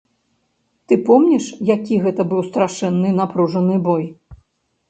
Ты помніш, які гэта быў страшэнны, напружаны бой?